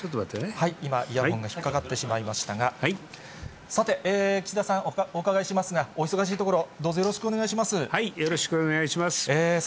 今、イヤホンが引っ掛かってしまいましたが、さて、岸田さん、お伺いしますが、お忙しいところ、どうぞよろしくお願いいたします。